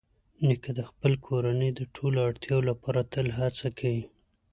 نیکه د خپلې کورنۍ د ټولو اړتیاوو لپاره تل هڅه کوي.